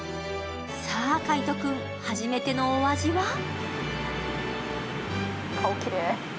さぁ海音君、初めてのお味は？